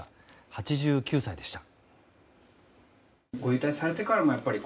８９歳でした。